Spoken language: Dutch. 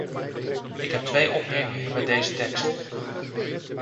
Ik heb twee opmerkingen bij deze tekst.